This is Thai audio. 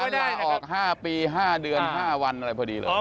เห็นว่านั้นละออก๕ปี๕เดือน๕วันอะไรพอดีเลย